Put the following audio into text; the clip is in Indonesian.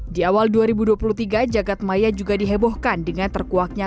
di awal dua ribu dua puluh tiga jagatmaya juga dihebohkan dengan terkuaknya